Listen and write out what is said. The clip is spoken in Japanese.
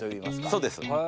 そうです。